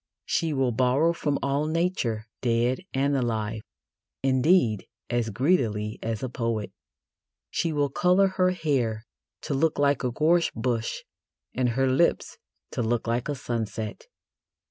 She will borrow from all Nature, dead and alive, indeed, as greedily as a poet. She will colour her hair to look like a gorse bush and her lips to look like a sunset.